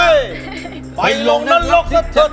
อันนี้คือร้องเพลงหรอไงร้องเพลง